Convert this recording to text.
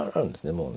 もうね。